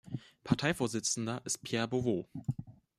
Parteivorsitzender ist Pierre Beauvois.